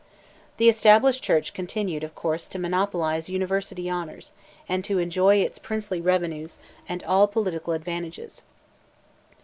The Established Church continued, of course, to monopolize University honours, and to enjoy its princely revenues and all political advantages.